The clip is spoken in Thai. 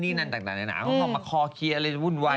เพราะมันเอามาคอขี้อะไรที่จะวุ่นวาย